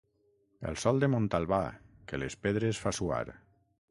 El sol de Montalbà, que les pedres fa suar.